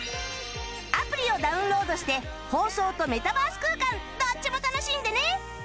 アプリをダウンロードして放送とメタバース空間どっちも楽しんでね！